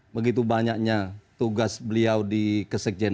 begitu banyaknya tugas beliau dikejar